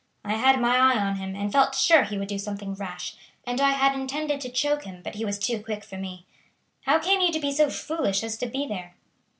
I had my eye on him, and felt sure he would do something rash, and I had intended to choke him, but he was too quick for me. How came you to be so foolish as to be there?"